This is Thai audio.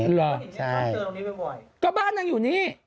ก็เห็นได้ข้ามเจอกันตรงนี้บ่อย